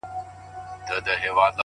زخمي ـ زخمي سترګي که زما وویني،